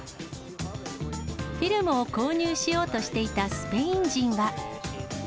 フィルムを購入しようとしていたスペイン人は。